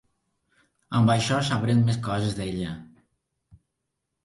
Amb això sabrem més coses d'ella.